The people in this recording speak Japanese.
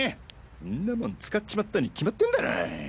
んなもん使っちまったに決まってんだろ。